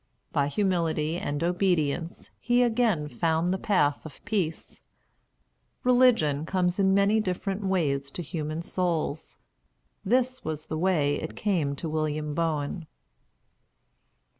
By humility and obedience he again found the path of peace. Religion comes in many different ways to human souls. This was the way it came to William Boen.